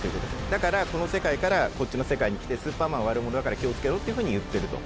だからこの世界からこっちの世界に来てスーパーマンは悪者だから気を付けろっていうふうに言ってると。